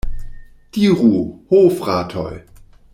Diru, ho fratoj!